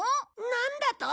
なんだと！？